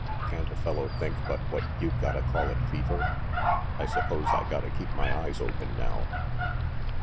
" Can't a fellow think but what you've gotta call it fever. I suppose I gotta keep my eyes open now."